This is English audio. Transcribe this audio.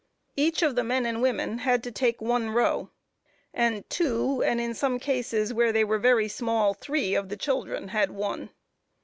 Each of the men and women had to take one row; and two, and in some cases where they were very small, three of the children had one.